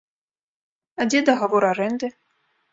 А дзе дагавор арэнды?